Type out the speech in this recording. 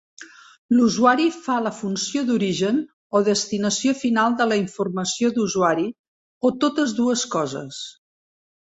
L'usuari fa la funció d'origen o destinació final de la informació d'usuari, o totes dues coses.